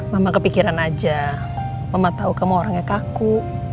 mama kepikiran aja mama tahu kamu orang yang kaku